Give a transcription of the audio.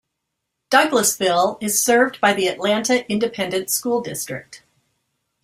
Douglassville is served by the Atlanta Independent School District.